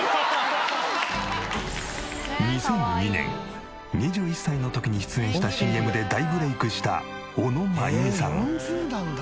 ２００２年２１歳の時に出演したＣＭで大ブレイクした小野真弓さん。